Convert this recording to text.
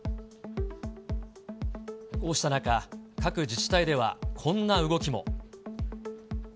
こうした中、各自治体ではこんな動きも。